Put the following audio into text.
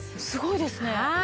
すごいですね。